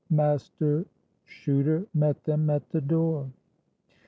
Master Chuter met them at the door.